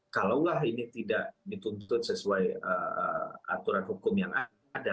kalaulah ini tidak dituntut sesuai aturan hukum yang ada